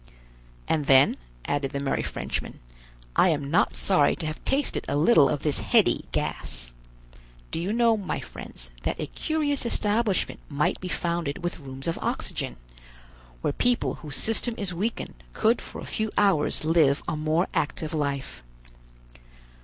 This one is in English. "And then," added the merry Frenchman, "I am not sorry to have tasted a little of this heady gas. Do you know, my friends, that a curious establishment might be founded with rooms of oxygen, where people whose system is weakened could for a few hours live a more active life.